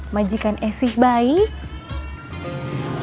majikan esi baik